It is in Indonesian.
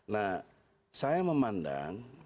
nah saya memandang